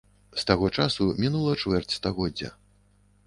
З таго часу мінула чвэрць стагоддзя.